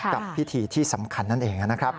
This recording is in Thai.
กับพิธีที่สำคัญนั่นเองนะครับ